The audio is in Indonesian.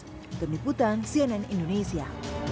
untuk niputan cnn indonesia